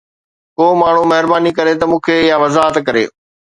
ڪو ماڻهو مهرباني ڪري مون کي اها وضاحت ڪري.